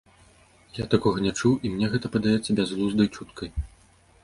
Я такога не чуў, і мне гэта падаецца бязглуздай чуткай.